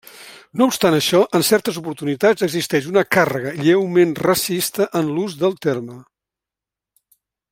No obstant això en certes oportunitats existeix una càrrega lleument racista en l'ús del terme.